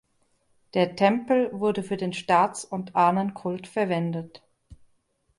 Der Tempel wurde für den Staats- und Ahnenkult verwendet.